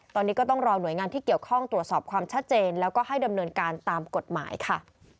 ตอนนี้ก็ต้องรอหน่วยงานที่เกี่ยวข้องตรวจสอบความชัดเจนแล้วก็ให้ดำเนินการตามกฎหมายค่ะ